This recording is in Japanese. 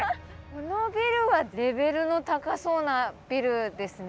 このビルはレベルの高そうなビルですね。